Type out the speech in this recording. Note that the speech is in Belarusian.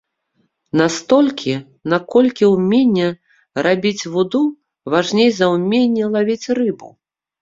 Настолькі, наколькі ўменне рабіць вуду важней за ўменне лавіць рыбу.